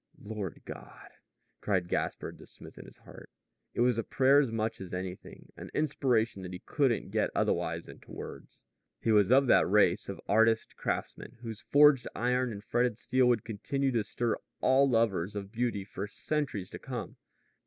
"Lord God!" cried Gaspard the smith in his heart. It was a prayer as much as anything an inspiration that he couldn't get otherwise into words. He was of that race of artist craftsmen whose forged iron and fretted steel would continue to stir all lovers of beauty for centuries to come.